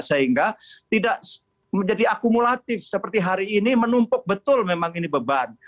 sehingga tidak menjadi akumulatif seperti hari ini menumpuk betul memang ini beban